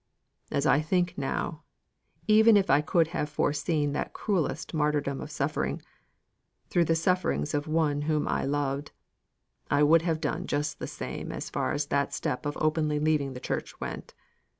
As I think now, even if I could have foreseen that cruellest martyrdom of suffering, through the sufferings of one whom I loved, I would have done just the same as far as that step of openly leaving the church went.